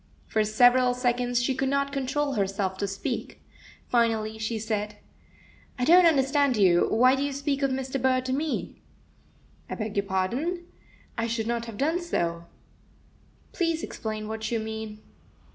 For several seconds she could not control herself to speak. Finally, she said "I don't understand you. Why do you speak of Mr. Burr to me?" "I beg pardon. I should not have done so." "Please explain what you mean.